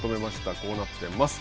こうなっています。